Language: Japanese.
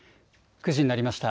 ９時になりました。